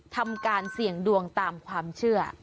ทำการเสี่ยงดวงตามความเชื่อ